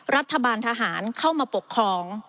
รัฐบาลทหารเข้ามาปกครอง